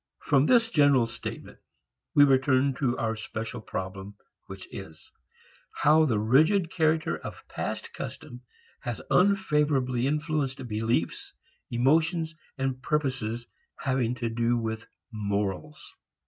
From this general statement we return to our special problem, which is how the rigid character of past custom has unfavorably influenced beliefs, emotions and purposes having to do with morals.